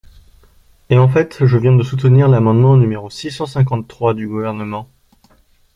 Et en fait, je viens de soutenir l’amendement numéro six cent cinquante-trois du Gouvernement.